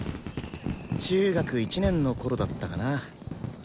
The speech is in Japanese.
中学１年のころだったかな。